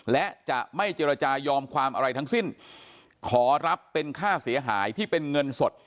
และจะไม่เจรจายอมความอะไรทั้งสิ้นขอรับเป็นค่าเสียหายที่เป็นเงินสด